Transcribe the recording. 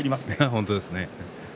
本当ですね。